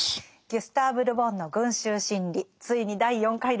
ギュスターヴ・ル・ボンの「群衆心理」ついに第４回ですね。